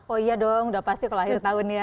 oh iya dong udah pasti kalau akhir tahun ya